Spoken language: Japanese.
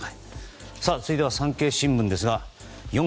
続いて、産経新聞です。